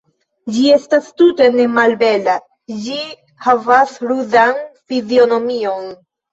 Ĝi estas tute nemalbela, ĝi havas ruzan fizionomion.